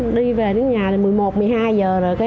đi về đến nhà thì một mươi một một mươi hai giờ rồi